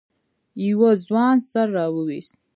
يوه ځوان سر راويست.